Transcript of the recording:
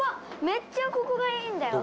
めっちゃここがいいんだよ。